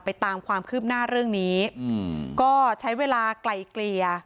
ตามความคืบหน้าเรื่องนี้ก็ใช้เวลาไกลเกลี่ย